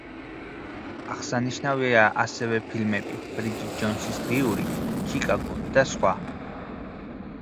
აღსანიშნავია ასევე ფილმები: „ბრიჯიტ ჯოუნსის დღიური“, „ჩიკაგო“ და სხვა.